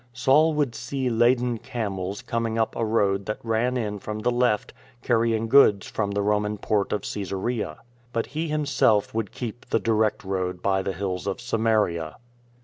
Saul would see laden camels coming up a road that ran in from the left carrying goods from the Roman port of Csesarea. But he himself would keep the direct road by the hills of Samaria.